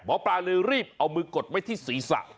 หมอปลาเลยรีบเอามือกดไว้ที่ศีรษะ